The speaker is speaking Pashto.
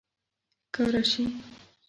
ښکاره شي